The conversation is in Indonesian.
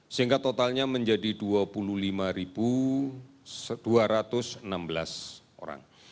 sehingga totalnya menjadi dua puluh lima dua ratus enam belas orang